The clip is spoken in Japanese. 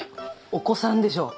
お子さんでしょう？